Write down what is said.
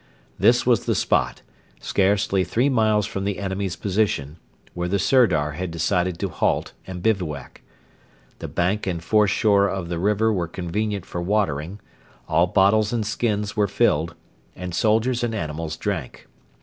This was the spot scarcely three miles from the enemy's position where the Sirdar had decided to halt and bivouac. The bank and foreshore of the river were convenient for watering; all bottles and skins were filled, and soldiers and animals drank.